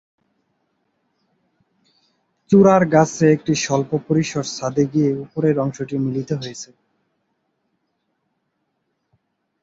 চূড়ার কাছে একটি স্বল্প পরিসর ছাদে গিয়ে উপরের অংশটি মিলিত হয়েছে।